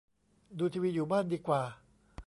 ดูทีวีอยู่บ้านดีกว่า